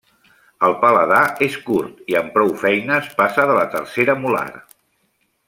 El paladar és curt i amb prou feines passa de la tercera molar.